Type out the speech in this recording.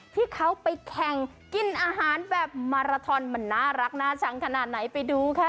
ที่เขาไปแข่งกินอาหารแบบมาราทอนมันน่ารักน่าชังขนาดไหนไปดูค่ะ